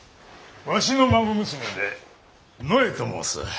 わしの孫娘でのえと申す。